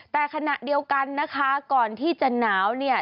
แต่ขณะเดียวกันนะคะก่อนที่จะหนาวเนี่ย